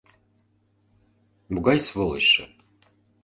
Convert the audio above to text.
— Могай сволочьшо!..